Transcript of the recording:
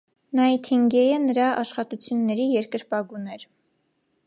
Նայթինգեյլը նրա աշխատությունների երկրպագուն էր։